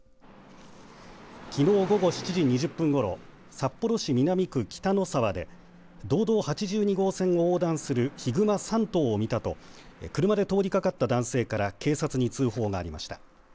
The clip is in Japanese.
きのう午後７時２０分ごろ札幌市南区北ノ沢で道道８２号線を横断するヒグマ３頭を見たと車で通りがかった男性から警察に通報がいました。